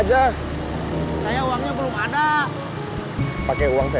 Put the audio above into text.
jadi cuma andat